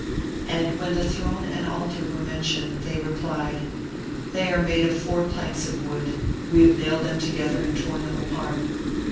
And when the throne and altar were mentioned, they replied: "They are made of four planks of wood; we have nailed them together and torn them apart."